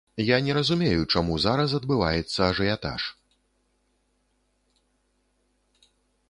Я не разумею, чаму зараз адбываецца ажыятаж.